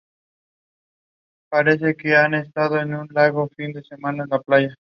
Habitualmente se realiza tras la pretemporada, comenzando en el mes de febrero.